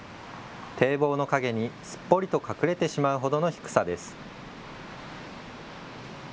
堤防の陰にすっぽりと隠れてしまうほどの低さです。